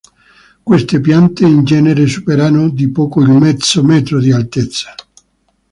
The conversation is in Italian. Queste piante in genere superano di poco il mezzo metro di altezza.